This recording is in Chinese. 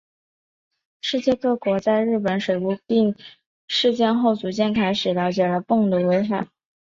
世界各国在日本水俣病事件后逐渐开始了解汞的危害。